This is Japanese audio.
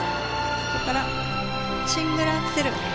そこからシングルアクセル。